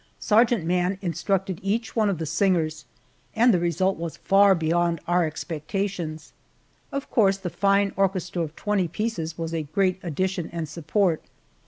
Sergeant Mann instructed each one of the singers, and the result was far beyond our expectations. Of course the fine orchestra of twenty pieces was a great addition and support.